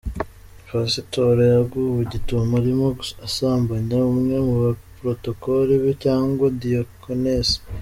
Pasitoro yaguwe gitumo arimo asambanya umwe muba Protocole be cyangwa Diyakonese.